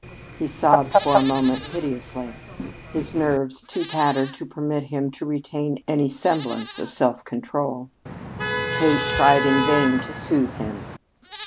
He sobbed for a moment piteously, his nerves too tattered to permit him to retain any semblance of self control. Kate tried in vain to soothe him.